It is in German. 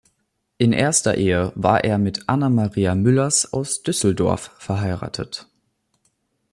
In erster Ehe war er mit Anna Maria Müllers aus Düsseldorf verheiratet.